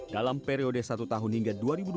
dalam periode satu tahun hingga dua ribu dua puluh